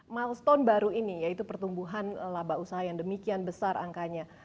milestone baru ini yaitu pertumbuhan laba usaha yang demikian besar angkanya